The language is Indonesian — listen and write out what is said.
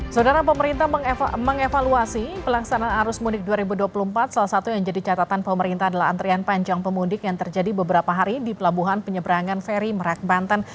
saudara pemerintah mengevaluasi pelaksanaan arus mudik dua ribu dua puluh empat salah satu yang jadi catatan pemerintah adalah antrian panjang pemudik yang terjadi beberapa hari di pelabuhan penyeberangan feri merak banten